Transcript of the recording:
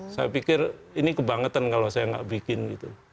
saya pikir ini kebangetan kalau saya nggak bikin gitu